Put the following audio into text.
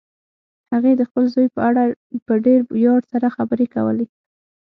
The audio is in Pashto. هغې د خپل زوی په اړه په ډېر ویاړ سره خبرې کولې